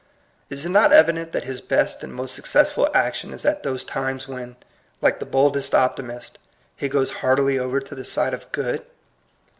Is it not evident that his best and most successful action is at those times when, like the boldest optimist, he goes heartily over to the side of good?